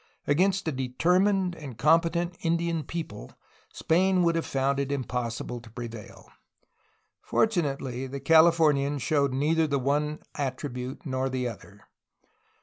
Against a determined and competent Indian people Spain would have found it impossible to prevail. Fortunately, the Californians showed neither the one attribute nor the other.